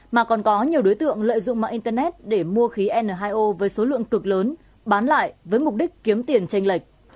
mà còn có nhiều đối tượng lợi dụng mạng internet để mua khí n hai o với số lượng cực lớn bán lại với mục đích kiếm tiền tranh lệch